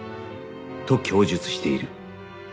と供述している